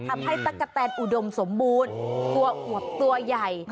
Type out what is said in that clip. ทำให้ตะกะแตนอุดมสมบูรณ์ตัวหัวตัวใหญ่